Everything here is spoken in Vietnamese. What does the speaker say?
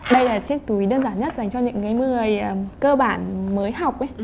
đây là chiếc túi đơn giản nhất dành cho những người cơ bản mới học